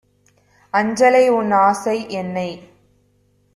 "அஞ்சலை, உன்ஆசை - என்னை